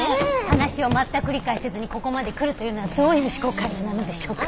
話をまったく理解せずにここまで来るというのはどういう思考回路なのでしょうか？